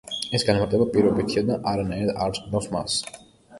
ეს განმარტება პირობითია და არანაირად არ ზღუდავს მას.